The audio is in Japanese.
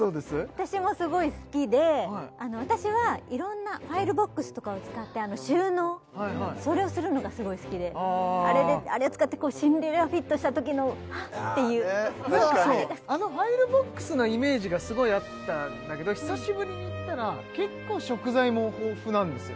私もすごい好きで私はいろんなファイルボックスとかを使って収納それをするのがすごい好きであれを使ってシンデレラフィットしたときの「はっ」ていうあれあのファイルボックスのイメージがすごいあったんだけど久しぶりに行ったら結構食材も豊富なんですか？